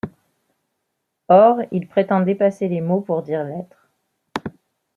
Or, il prétend dépasser les mots pour dire l'être.